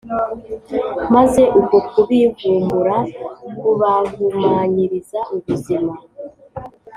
maze uko kubivumbura kubahumanyiriza ubuzima.